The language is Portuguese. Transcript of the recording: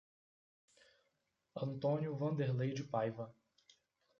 Antônio Wanderley de Paiva